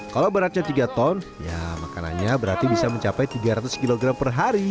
kalau beratnya tiga ton ya makanannya berarti bisa mencapai tiga ratus kg per hari